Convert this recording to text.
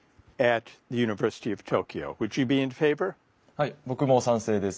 はい僕も賛成です。